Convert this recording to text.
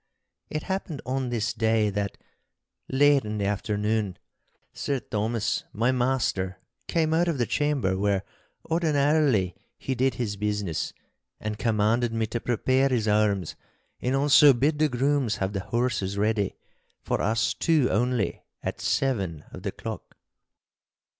It happened on this day that, late in the afternoon, Sir Thomas, my master, came out of the chamber where ordinarily he did his business, and commanded me to prepare his arms, and also bid the grooms have the horses ready, for us two only, at seven of the clock.